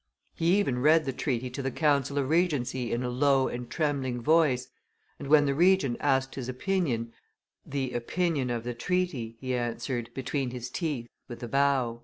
He even read the treaty to the council of regency in a low and trembling voice, and when the Regent asked his opinion, 'the opinion of the treaty,' he answered, between his teeth, with a bow."